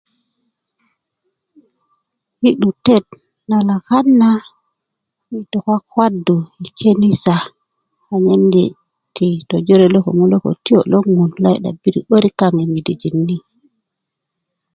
yi 'dutet na lakat na yi tu kwakwadu yi kenisa anyen yi ti tojorelo ko mulokotiyo' lo ŋun anyen yi 'debiri 'börik kaaŋ yi midijin ni